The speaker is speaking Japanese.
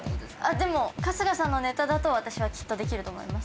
でも春日さんのネタだと私はきっとできると思います。